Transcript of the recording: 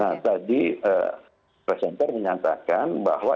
nah tadi presenter menyatakan bahwa